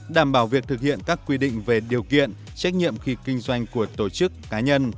đảm bảo việc thực hiện các quy định về điều kiện trách nhiệm khi kinh doanh của tổ chức cá nhân